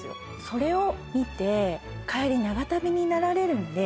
それを見て「帰り長旅になられるので」